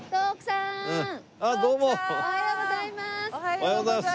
おはようございます。